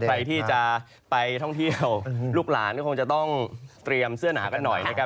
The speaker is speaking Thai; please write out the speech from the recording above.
ใครที่จะไปท่องเที่ยวลูกหลานก็คงจะต้องเตรียมเสื้อหนากันหน่อยนะครับ